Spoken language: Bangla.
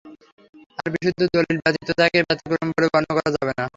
আর বিশুদ্ধ দলীল ব্যতীত তাঁকে ব্যতিক্রম বলে গণ্য করা যাবে না।